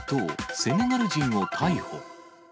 セネガル人を逮捕。